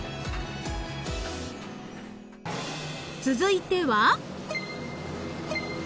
［続いては］